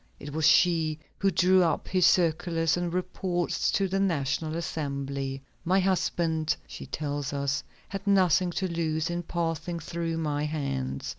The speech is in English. It was she who drew up his circulars and reports to the National Assembly. "My husband," she tells us, "had nothing to lose in passing through my hands.